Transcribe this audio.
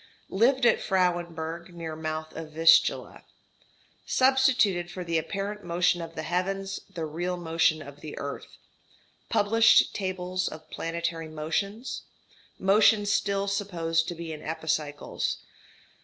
Lived at Frauenburg near mouth of Vistula. Substituted for the apparent motion of the heavens the real motion of the earth. Published tables of planetary motions. Motion still supposed to be in epicycles.